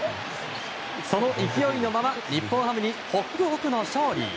その勢いのまま、日本ハムにホックホクの勝利。